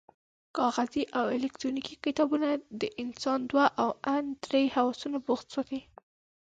کاغذي او الکترونیکي کتابونه د انسان دوه او ان درې حواس بوخت ساتي.